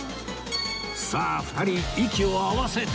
さあ２人息を合わせて